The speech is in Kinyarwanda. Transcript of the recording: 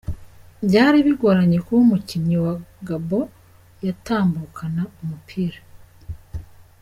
Byari bigoranye kuba umukinnyi wa Gabon yatambukana umupira.